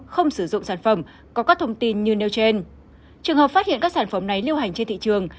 không sử dụng sản phẩm có các thông tin như nêu trên trường hợp phát hiện các sản phẩm này lưu hành trên thị trường